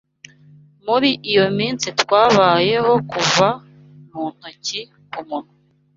Muri iyo minsi twabayeho kuva mu ntoki ku munwa.